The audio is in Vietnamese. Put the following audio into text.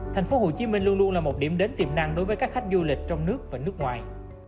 tp hcm luôn luôn là một điểm đến tiềm năng đối với các khách du lịch trong nước và nước ngoài